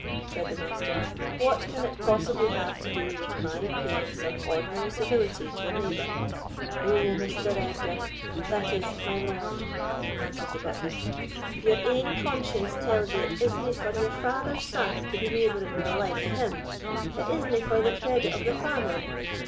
said the Master; "what can it possibly have to do with my paying some ordinary civility to a neighbour." "Oh, Mr. Edgar,—that is, my lord!" answered the butler, "your ain conscience tells you it isna for your father's son to be neighbouring wi' the like o' him; it isna for the credit of the family.